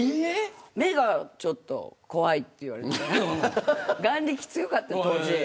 目が、ちょっと怖いって言われて眼力、強かったの当時。